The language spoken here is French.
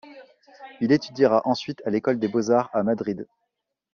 Il étudiera ensuite à l'école de Beaux arts à Madrid.